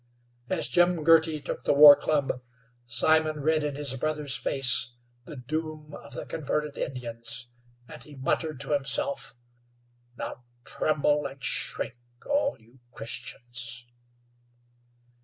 As Jim Girty took the war club, Simon read in his brother's face the doom of the converted Indians and he muttered to himself: "Now tremble an' shrink, all you Christians!"